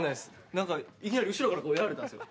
なんか、いきなり後ろからやられたんですよ。